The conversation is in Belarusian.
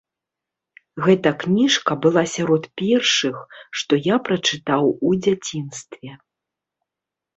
Гэта кніжка была сярод першых, што я прачытаў у дзяцінстве.